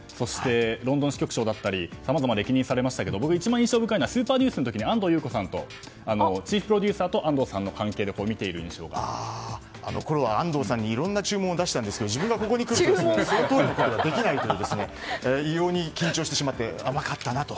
ロンドン支局長だったりさまざま歴任されましたけど僕が一番印象深いのは「スーパーニュース」の時の安藤優子さんとチーフプロデューサーと安藤さんの関係であのころは安藤さんにいろんな注文を出したんですけど自分がここに来ると想像することはできないと異様に緊張してしまって甘かったなと。